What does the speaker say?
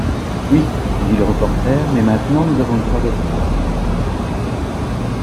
Oui, répondit le reporter, mais maintenant nous avons le droit d’être sans pitié!